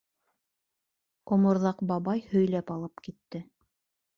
Оморҙаҡ бабай һөйләп алып китте: